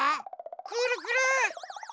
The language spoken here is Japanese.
くるくる？